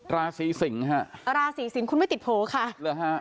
ราศีสิงฮะราศีสิงศคุณไม่ติดโผล่ค่ะเหรอฮะ